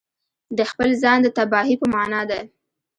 د خپل ځان د تباهي په معنا ده.